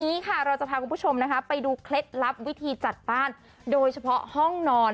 วันนี้ค่ะเราจะพาคุณผู้ชมนะคะไปดูเคล็ดลับวิธีจัดบ้านโดยเฉพาะห้องนอน